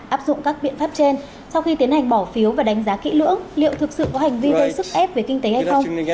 áp dụng các biện pháp trên sau khi tiến hành bỏ phiếu và đánh giá kỹ lưỡng liệu thực sự có hành vi gây sức ép về kinh tế hay không